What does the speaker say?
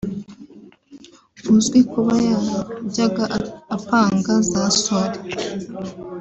uzwi kuba yarajyaga apanga za [soirees]